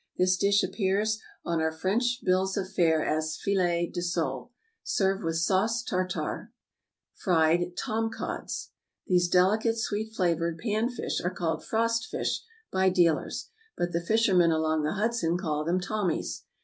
This dish appears on our French bills of fare as filet de sole. Serve with sauce tartare. =Fried Tomcods.= These delicate, sweet flavored pan fish are called frost fish by dealers, but the fishermen along the Hudson call them "Tommies."